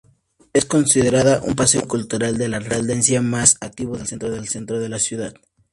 Es considerada un paseo cultural de referencia más activo del centro de la ciudad.